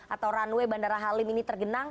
atau runway bandara halim ini tergenang